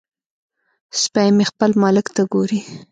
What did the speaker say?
سپی مې خپل مالک ته ګوري.